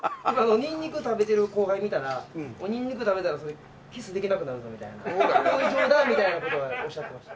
にんにく食べてる後輩見たら「にんにく食べたらキスできなくなるぞ」みたいなそういう冗談みたいな事はおっしゃってました。